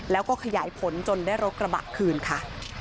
แล้วก็ขยายผลจนได้รถกระบะคืนค่ะ